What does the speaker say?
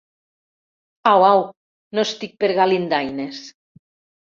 Au, au: no estic per galindaines!